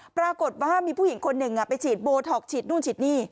ปรากฏว่ามีผู้หญิงคนหนึ่งไปฉีดโบท็อกฉีดนู่นฉีดนี่